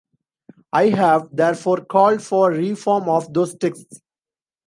I have therefore called for reform of those texts...